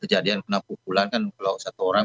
kejadian penampuk bulan kan kalau satu orang